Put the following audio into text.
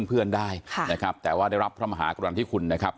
เพื่อนได้นะครับแต่ว่าได้รับพระมหากรณฑิคุณนะครับ